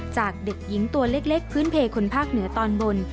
จากเด็กหญิงตัวเล็กพื้นเพคนภาคเหนือตอนบน